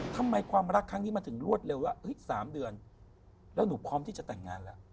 ความรักครั้งนี้มันถึงรวดเร็วว่า๓เดือนแล้วหนูพร้อมที่จะแต่งงานแล้ว